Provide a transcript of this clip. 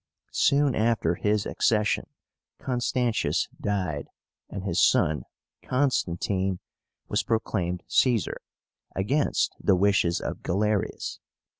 Soon after his accession Constantius died, and his son CONSTANTINE was proclaimed Caesar, against the wishes of Galerius.